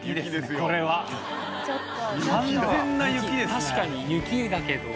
確かに雪だけど。